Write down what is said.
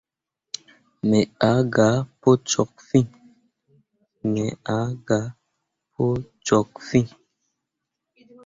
Me ah gah pu cok fîi.